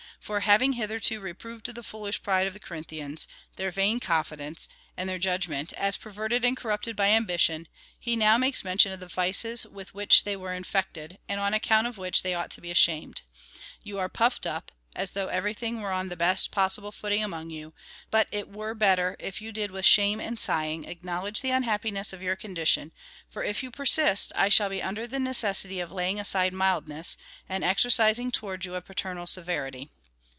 For having hitherto reproved the foolish pride of the Corinthians, their vain confidence, and their judgment as perverted and corrupted by ambition, he now makes mention of the vices with which they were infected, and on account of which they ought to be ashamed —" You are puiFed up, as though everything were on the best pos sible footing among you, but it were better if you did with shame and sighing acknowledge the unhappiness of your condition, for if you persist, I shall be under the necessity of laying aside mildness, and exercising towards you a paternal severity."